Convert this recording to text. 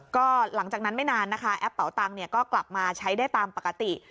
ก็หลังจากนั้นไม่นานนะคะแอปเป่าตังค์ก็กลับมาใช้ได้ตามปกติ